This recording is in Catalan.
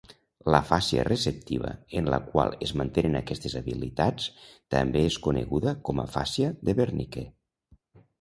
L'afàsia receptiva en la qual es mantenen aquestes habilitats també és coneguda com afàsia de Wernicke.